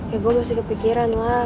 ya gue masih kepikiran lah